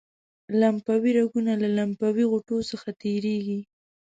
لمفاوي رګونه له لمفاوي غوټو څخه تیریږي.